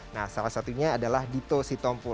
nah salah satunya adalah dito sitompul